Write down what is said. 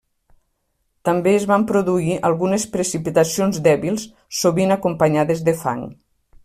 També es van produir algunes precipitacions dèbils, sovint acompanyades de fang.